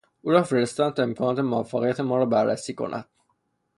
او را فرستادند تا امکانات موفقیت ما را بررسی کند.